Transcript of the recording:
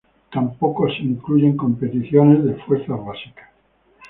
Tampoco se incluyen competiciones de fuerzas básicas.